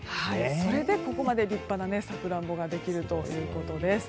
それでここまで立派なサクランボができるということです。